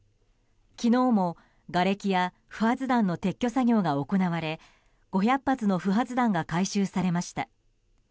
昨日も、がれきや不発弾の撤去作業が行われ５００発の不発弾が回収されました。